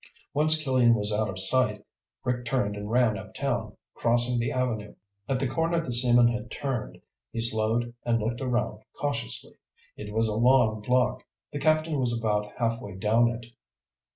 Once Killian was out of sight, Rick turned and ran uptown, crossing the avenue. At the corner the seaman had turned, he slowed and looked around cautiously. It was a long block. The captain was about halfway down it.